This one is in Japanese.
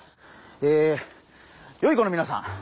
えよい子のみなさん。